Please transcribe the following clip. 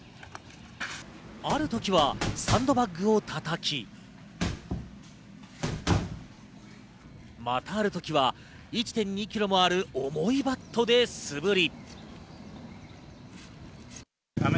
ある時はサンドバッグを叩き、また、ある時は１．２ｋｇもある重いバットで素振り。